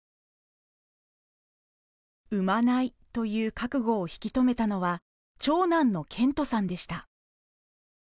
産まないという覚悟を引き留めたのは長男の健翔さんでした。